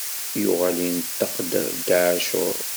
Yuɣal inṭeq-d Dda ɛacur.